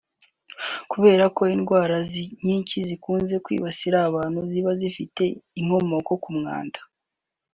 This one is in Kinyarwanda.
Kubera ko indwara nyinshi zikunze kwibasira abantu ziba zifite inkomoko ku mwanda